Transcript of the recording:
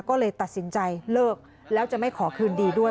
ก็เลยตัดสินใจเลิกแล้วจะไม่ขอคืนดีด้วย